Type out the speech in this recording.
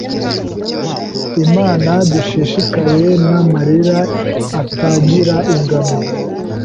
Imana dushishikaye n’amarira atagira ingano